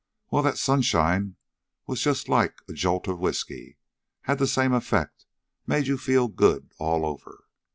Well, that sunshine was just like a jolt of whiskey. Had the same effect. Made you feel good all over.